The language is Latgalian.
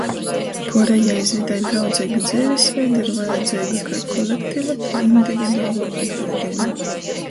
Puorejai iz videi draudzeigu dzeivis veidu ir vajadzeiga kai kolektiva, tai individuala atbiļdeiba.